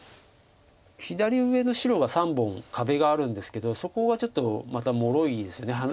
左上の白が３本壁があるんですけどそこはちょっとまたもろいですよね。